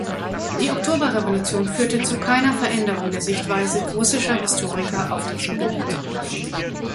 Die Oktoberrevolution führte zu keiner Veränderung der Sichtweise russischer Historiker auf diesem Gebiet.